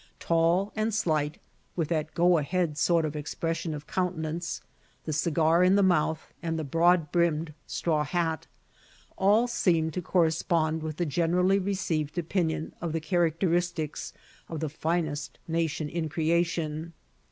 Tall and slight, with that go ahead sort of expression of countenance, the cigar in the mouth, and the broad brimmed straw hat all seemed to correspond with the generally received opinion of the characteristics of the finest nation in creation.